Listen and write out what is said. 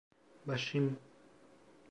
Başım…